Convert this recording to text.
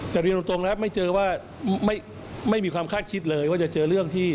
แต่เรียนตรงนะครับไม่เจอว่าไม่มีความคาดคิดเลยว่าจะเจอเรื่องที่